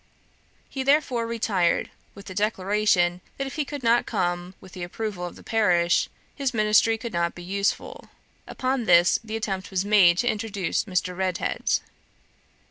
He therefore retired, with the declaration that if he could not come with the approval of the parish, his ministry could not be useful. Upon this the attempt was made to introduce Mr. Redhead.